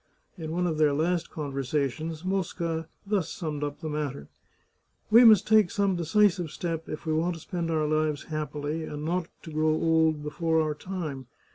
In one of their last conversations, Mosca thus summed up the matter :" We must take some decisive step if we want to spend our lives happily, and not to grow old before our time.